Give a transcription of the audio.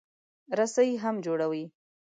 رسۍ هم جوړوي.